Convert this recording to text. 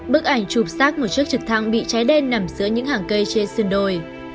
bức ảnh chụp sát một chiếc trực thăng bị trái đen nằm giữa những hàng cây trên sơn đồi